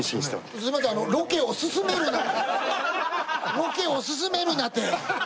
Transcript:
ロケを進めるなって！